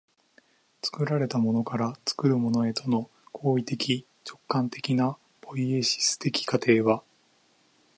作られたものから作るものへとの行為的直観的なポイエシス的過程は